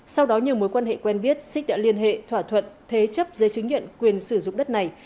sau đó nhiều mối quan hệ quen biết xích đã liên hệ thỏa thuận thế chấp giấy chứng nhận quyền sử dụng đất này